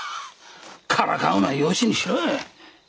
からかうのはよしにしろい！